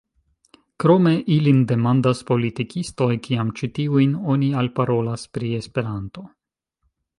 Krome ilin demandas politikistoj, kiam ĉi tiujn oni alparolas pri Esperanto.